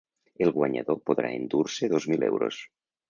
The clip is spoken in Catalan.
El guanyador podrà endur-se dos mil euros.